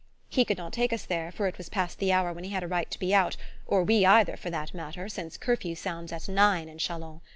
He could not take us there, for it was past the hour when he had a right to be out, or we either, for that matter, since curfew sounds at nine at Chalons.